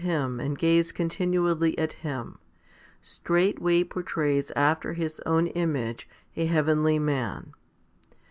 HOMILY XXX 225 and gaze continually at Him, straightway portrays after His own image a heavenly man.